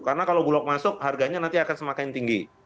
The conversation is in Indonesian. karena kalau bulog masuk harganya nanti akan semakin tinggi